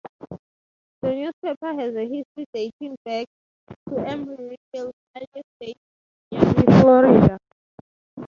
The newspaper has a history dating back to Embry-Riddle's earliest days in Miami, Florida.